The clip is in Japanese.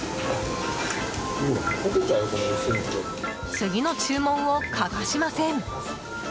次の注文を欠かしません。